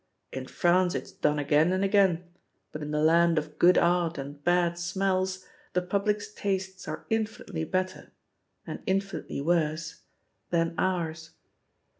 In France it's done again and again, but in the land of good art and bad smells the public's tastes are infinitely better — ^and in finitely worse — ^than ours.